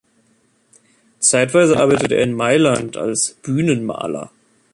Zeitweise arbeitete er in Mailand als Bühnenmaler.